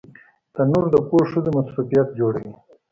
تنور د کور ښځو مصروفیت جوړوي